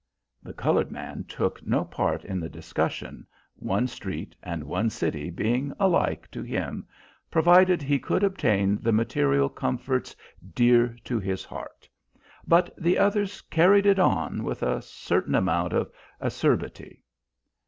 The coloured man took no part in the discussion, one street and one city being alike to him, provided he could obtain the material comforts dear to his heart; but the others carried it on with a certain amount of acerbity.